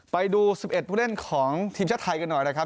ไปดู๑๑ผู้เล่นของทีมชาติไทยกันหน่อยนะครับ